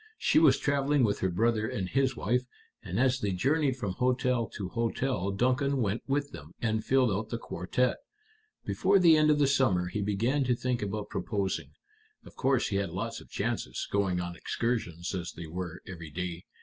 She was traveling with her brother and his wife, and as they journeyed from hotel to hotel Duncan went with them, and filled out the quartette. Before the end of the summer he began to think about proposing. Of course he had lots of chances, going on excursions as they were every day.